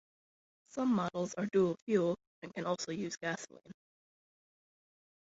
Some models are dual fuel and can also use gasoline.